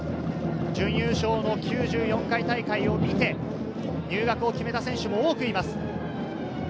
準優勝の９４回大会を見て入学を決めた選手も多くいます。